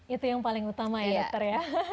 itu yang paling utama ya dokter ya